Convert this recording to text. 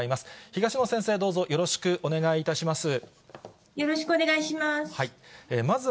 東野先生、どうぞよろしくお願いよろしくお願いします。